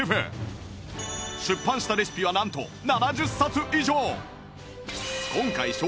出版したレシピはなんと７０冊以上！